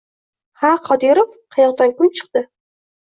Ha Qodirov, qayoqdan kun chiqdi